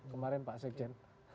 kemarin pak sekjen